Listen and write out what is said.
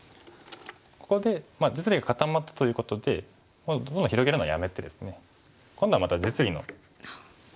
ここで実利が固まったということでもうどんどん広げるのはやめてですね今度はまた実利の。